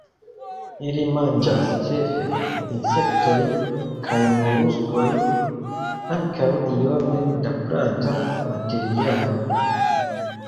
Ili manĝas ĉefe insektojn kaj moluskojn, ankaŭ iome da planta materialo.